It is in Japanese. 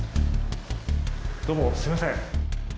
どうもすいません。